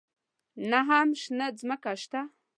نه هم شنه ځمکه شته.